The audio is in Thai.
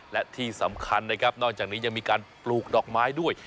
และที่สำคัญนะครับนอกจากนี้ยังมีการปลูกดอกไม้ด้วย